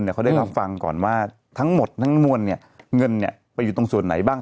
เขาได้รับฟังก่อนว่าทั้งหมดทั้งมวลเนี่ยเงินไปอยู่ตรงส่วนไหนบ้าง